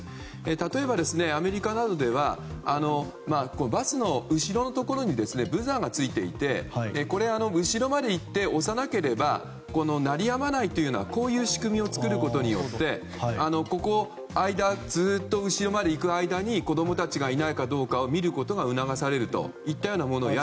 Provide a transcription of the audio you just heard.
例えば、アメリカなどではバスの後ろのところにブザーがついていてこれを後ろまで行って押さなければ鳴りやまないという仕組みを作ることによってずっと後ろまで行く間に子供たちがいないかどうかを見ることが促されるといったものや。